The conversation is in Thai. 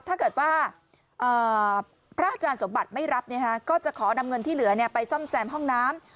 ถ้าเกิดว่าพระอาจารย์สมบัติไม่รับก็จะขอนำเงินที่เหลือไปซ่อมแซมห้องน้ำ